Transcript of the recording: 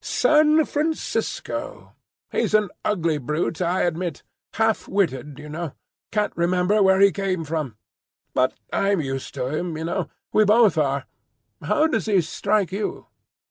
"San Francisco. He's an ugly brute, I admit. Half witted, you know. Can't remember where he came from. But I'm used to him, you know. We both are. How does he strike you?"